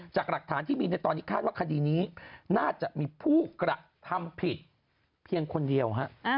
จากหลักฐานที่มีในตอนนี้คาดว่าคดีนี้น่าจะมีผู้กระทำผิดเพียงคนเดียว